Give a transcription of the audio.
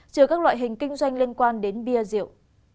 trừ các loại hình kinh doanh liên quan đến bia rượu